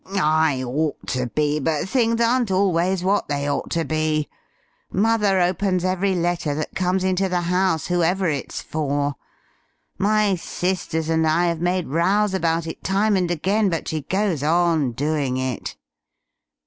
"I ought to be, but things aren't always what they ought to be. Mother opens every letter that comes into the house, whoever it's for. My sisters and I have made rows about it time and again, but she goes on doing it."